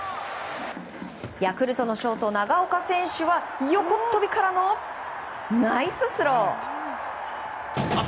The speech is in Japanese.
ヤクルトのショート、長岡選手は横っ飛びからのナイススロー！